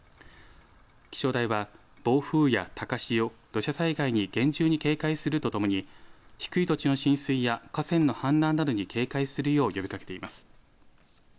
気象台は暴風や高潮、土砂災害に厳重に警戒するとともに低い土地の浸水や河川の氾濫などに警戒するよう呼びかけています。